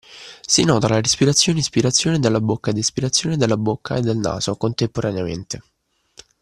Si nota la respirazione ispirazione dalla bocca ed espirazione dalla bocca e dal naso (contemporaneamente).